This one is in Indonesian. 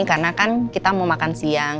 karena kan kita mau makan siang